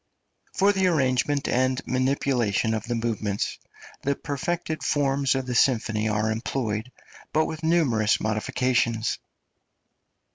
For the arrangement and manipulation of the movements the perfected forms of the symphony are employed, but with numerous modifications.